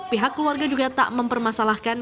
pihak keluarga juga tak mempermasalahkan